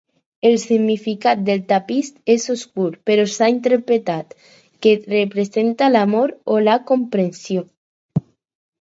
El significat del tapís és obscur, però s'ha interpretat que representa l'amor o la comprensió.